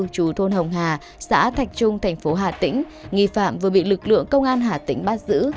chú thôn hồng hà xã thạch trung thành phố hà tĩnh nghi phạm vừa bị lực lượng công an hà tĩnh bắt giữ